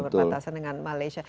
perbatasan dengan malaysia